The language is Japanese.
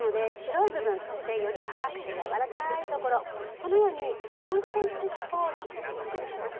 このように４ｃｍ四方に切ってあります。